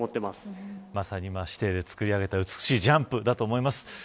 まさに師弟でつくり上げた美しいジャンプだと思います。